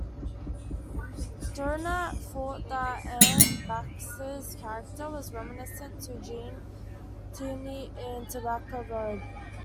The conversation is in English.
Durgnat thought that Anne Baxter's character was reminiscent of Gene Tierney's in "Tobacco Road".